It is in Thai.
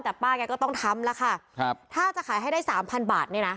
แต่ป้าแกก็ต้องทำแล้วค่ะครับถ้าจะขายให้ได้สามพันบาทเนี่ยนะ